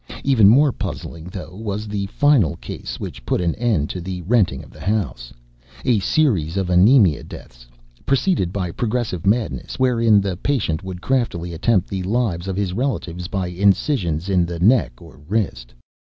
Even more puzzling, though, was the final case which put an end to the renting of the house a series of anemia deaths preceded by progressive madnesses wherein the patient would craftily attempt the lives of his relatives by incisions in the neck or wrist.